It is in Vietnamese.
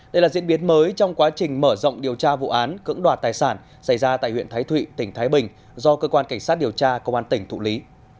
đây là diễn biến mới trong quá trình mở rộng điều tra vụ án cưỡng đoạt tài sản xảy ra tại huyện thái thụy tỉnh thái bình do cơ quan cảnh sát điều tra công an tỉnh thụ lý